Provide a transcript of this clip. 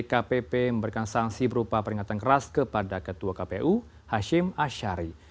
kpp memberikan sanksi berupa peringatan keras kepada ketua kpu hashim ashari